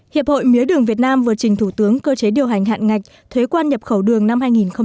hiệp hội mía đường việt nam vừa trình thủ tướng cơ chế điều hành hạn ngạch thuế quan nhập khẩu đường năm hai nghìn hai mươi